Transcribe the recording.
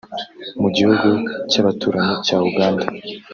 Mu gihugu cy’abaturanyi cya Uganda